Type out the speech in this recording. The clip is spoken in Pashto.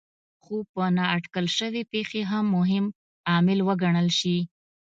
خو په نااټکل شوې پېښې هم مهم عامل وګڼل شي.